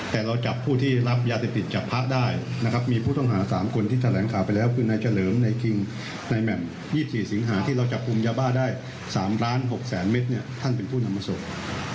แต่เราจับผู้ที่รับยาเสพติดจากพระได้นะครับมีผู้ต้องหา๓คนที่แถลงข่าวไปแล้วคือนายเฉลิมในคิงในแหม่ม๒๔สิงหาที่เราจับกลุ่มยาบ้าได้๓ล้าน๖แสนเมตรเนี่ยท่านเป็นผู้นำมาส่ง